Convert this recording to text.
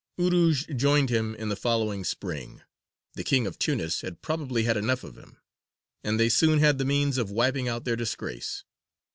Urūj joined him in the following spring the King of Tunis had probably had enough of him and they soon had the means of wiping out their disgrace.